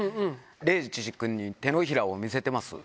礼二君に手のひらを見せてます。